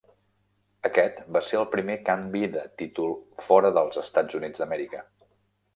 Aquest va ser el primer canvi de títol fora dels Estats Units d'Amèrica.